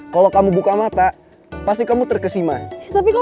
kalo sampe kamu teriak